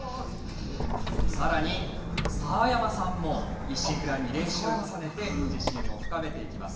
さらに、澤山さんも一心不乱に練習を重ねて、自信を深めていきます。